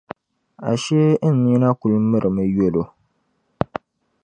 Ashee n nina kuli mirimi yolo.